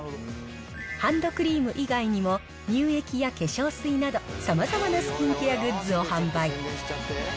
ハンドクリーム以外にも、乳液や化粧水など、さまざまなスキンケアグッズを販売。